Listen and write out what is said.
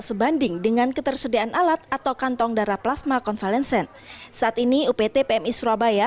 sebanding dengan ketersediaan alat atau kantong darah plasma konvalencent saat ini upt pmi surabaya